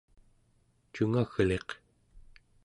cungagliq